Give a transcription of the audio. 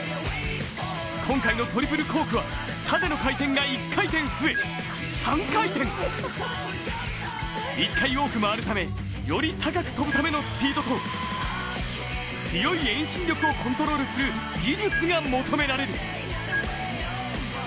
今回のトリプルコークは縦の回転が１回転増え、３回転１回多く回るため、より高く跳ぶためのスピードと強い遠心力をコントロールする技術が求められる。